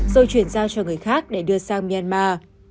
rồi chuyển giao cho người khác để đưa sang myanmar